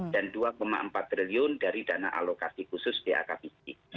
dan rp dua empat triliun dari dana alokasi khusus dak fisik